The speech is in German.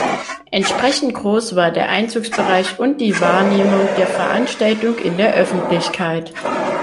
Entsprechend groß war der Einzugsbereich und die Wahrnehmung der Veranstaltung in der Öffentlichkeit.